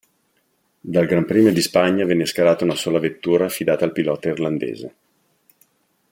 Dal Gran Premio di Spagna venne schierata una sola vettura affidata al pilota irlandese.